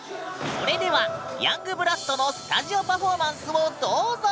それでは「ＹＯＵＮＧＢＬＯＯＤ」のスタジオパフォーマンスをどうぞ！